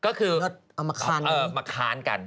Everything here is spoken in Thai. ก็คือมาค้านกัน